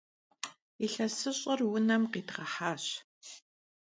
Yilhesış'er vunem khidğehaş.